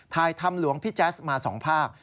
ถ่ายทำหลวงพี่แจ๊สมา๒ภาพ